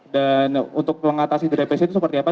dan untuk mengatasi derapiasi itu seperti apa